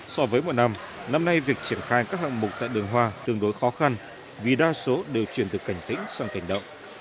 so với mọi năm năm nay việc triển khai các hạng mục tại đường hoa tương đối khó khăn vì đa số đều chuyển từ cảnh tỉnh sang cảnh động